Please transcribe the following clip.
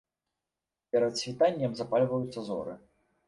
Перад світаннем запальваюцца зоры.